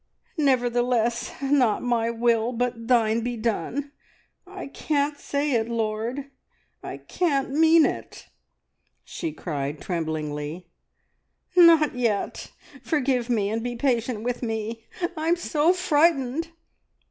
"`Nevertheless, not my will, but Thine be done.' I can't say it, Lord. I can't mean it!" she cried tremblingly. "Not yet! Forgive me, and be patient with me. I'm so frightened!"